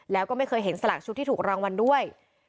แล้วก็ไม่เคยเห็นสลากชุดที่ถูกรางวัลด้วย